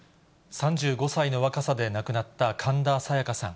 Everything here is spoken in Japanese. ３５歳の若さで亡くなった神田沙也加さん。